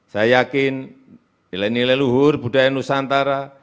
saya yakin nilai nilai luhur budaya nusantara